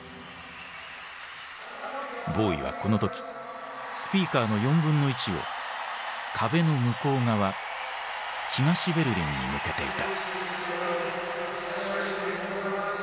ボウイはこの時スピーカーの４分の１を壁の向こう側東ベルリンに向けていた。